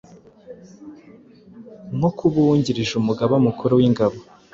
nko kuba Uwungirije Umugaba Mukuru w’Ingabo